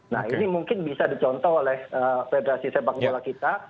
nah ini mungkin bisa dicontoh oleh federasi sepak bola kita